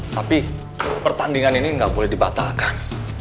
tapi pertandingan ini nggak boleh dibatalkan